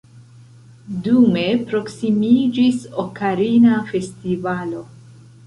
Dume proksimiĝis Okarina Festivalo.